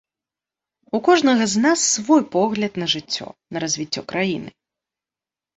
У кожнага з нас свой погляд на жыццё, на развіццё краіны.